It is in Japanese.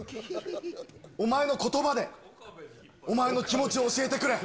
お前のことばで、お前の気持ちを教えてくれ。